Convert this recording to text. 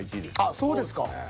あっそうですか。